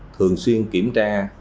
thường xuyên kiểm tra